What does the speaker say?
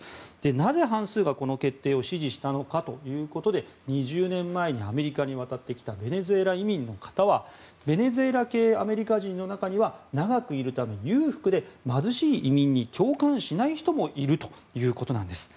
なぜ、半数がこの決定を支持したのかということで２０年前にアメリカに渡ってきたベネズエラ移民の方はベネズエラ系アメリカ人の中には長くいるために裕福で貧しい移民に共感しない人もいるということなんです。